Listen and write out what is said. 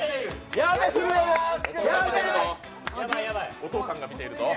お父さんが見ているぞ。